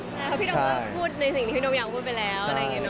พี่น้องมีความพูดในสิ่งที่พี่น้องอยากพูดไปแล้ว